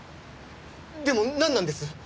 でもなんなんです？